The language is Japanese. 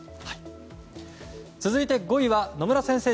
続いて５位は野村先生